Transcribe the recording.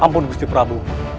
ampun gusti prabu